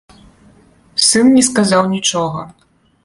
Сын не сказаў нічога.